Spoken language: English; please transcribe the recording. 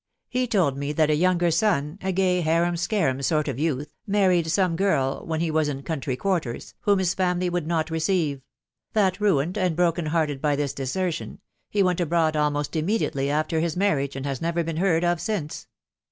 He told me that a younger son, a gay harum scarum sort of youth, mar* ried.some girl, when he was in country quarters, whom his family would not receive ; that, ruined and broken hearted by this desertion, he went abroad almost immediately after his marriage, and has never been heard of since."